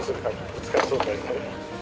ぶつかりそうになったり。